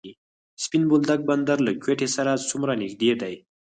سپین بولدک بندر له کویټې سره څومره نږدې دی؟